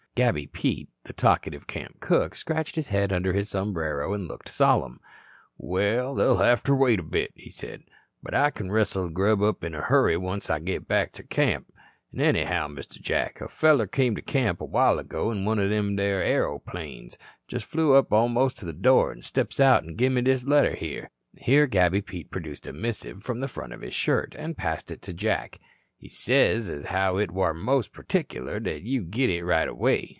Gabby Pete, the talkative camp cook, scratched his head under his sombrero, and looked solemn. "Waal, they'll have ter wait a bit," he said. "But I kin rustle grub in a hurry onct I git back ter camp. An', anyhow, Mr. Jack, a feller came to camp a while ago in one o' them there aeryoplanes. Jest flew up almost to the door an' steps out an' gin me this yere letter." Here Gabby Pete produced a missive from the front of his shirt, and passed it to Jack. "He sez as how it war most partickler that you git it right away.